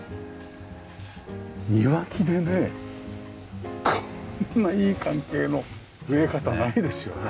庭木でねこんないい関係の見え方ないですよね。